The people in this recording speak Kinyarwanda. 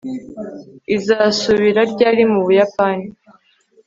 Uzasubira ryari mu Buyapani